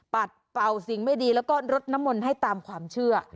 ปัดเป่าสิ่งไม่ดีแล้วก็รดน้ำมนต์ให้ตามความเชื่อ